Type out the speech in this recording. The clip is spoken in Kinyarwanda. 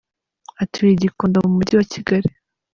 Atuye I Gikondo mu mujyi wa Kigali.